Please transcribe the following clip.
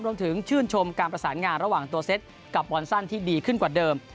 รวมถึงชื่นชมการประสานงานระหว่างตัวเซ็ตกับวอนซันที่ดีขึ้นกว่าเดิม